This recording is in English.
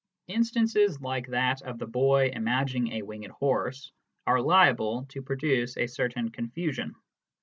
Instances like that of the boy imagining a winged horse are liable to produce a certain confusion.